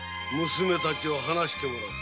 娘たちを放してもらおう。